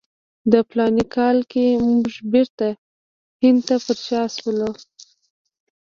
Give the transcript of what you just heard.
په فلاني کال کې موږ بیرته هند ته پر شا شولو.